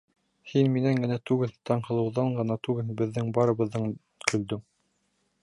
Һин минән генә түгел, Таңһылыуҙан ғына түгел, беҙҙең барыбыҙҙан көлдөң!